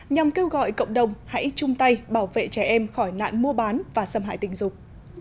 nhằm kêu gọi cộng đồng hãy chung tay bảo vệ trẻ em khỏi nạn mua bán và xâm hại tình dục